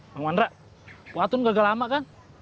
bang wandra buat tung gagal lama kan